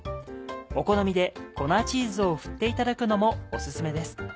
お好みで粉チーズを振っていただくのもお薦めです。